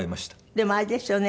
でもあれですよね。